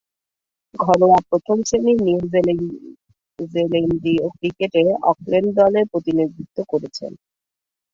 ঘরোয়া প্রথম-শ্রেণীর নিউজিল্যান্ডীয় ক্রিকেটে অকল্যান্ড দলের প্রতিনিধিত্ব করেছেন।